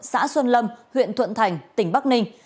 xã xuân lâm huyện thuận thành tỉnh bắc ninh